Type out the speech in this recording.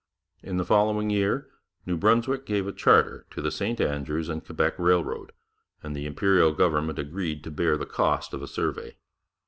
In the following year New Brunswick gave a charter to the St Andrews and Quebec Railroad, and the Imperial government agreed to bear the cost of a survey.